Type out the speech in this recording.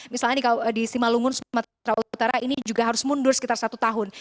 misalnya di simalungun sumatera utara ini juga harus mundur sekitar satu tahun